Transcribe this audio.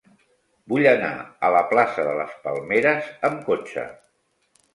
Vull anar a la plaça de les Palmeres amb cotxe.